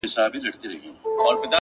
• زه د یویشتم قرن غضب ته فکر نه کوم ـ